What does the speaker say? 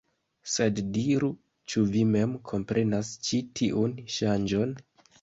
Sed diru, ĉu vi mem komprenas ĉi tiun ŝanĝon?